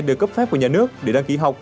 được cấp phép của nhà nước để đăng ký học